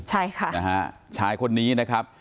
ใช่ค่ะนะฮะชายคนนี้นะครับ